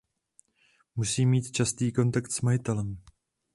Musí mít častý kontakt s majitelem.